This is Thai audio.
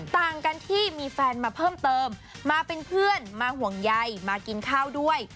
ต่างกันที่มีแฟนมาเพิ่มเติมมาเป็นเพื่อนมาห่วงใยมากินข้าวด้วย